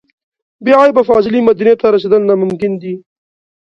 بې عیبه فاضلې مدینې ته رسېدل ناممکن دي.